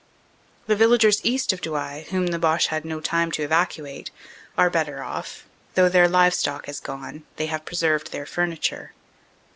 The villagers east of Douai, whom the Boche had no time to evacuate, are better off; though their livestock has gone, they have preserved their furniture.